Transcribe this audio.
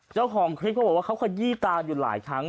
เจ้าของคลิปเขาบอกว่าเขาขยี้ตาอยู่หลายครั้ง